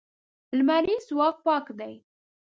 لمریز ځواک پاک دی.